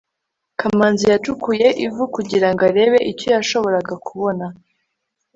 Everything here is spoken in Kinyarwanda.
kamanzi yacukuye ivu kugirango arebe icyo yashoboraga kubona